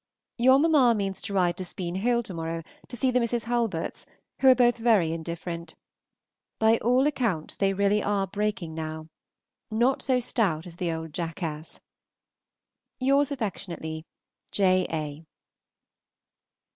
Your mamma means to ride to Speen Hill to morrow to see the Mrs. Hulberts, who are both very indifferent. By all accounts they really are breaking now, not so stout as the old jackass. Yours affectionately, J. A.